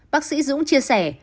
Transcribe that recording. bác sĩ dũng chia sẻ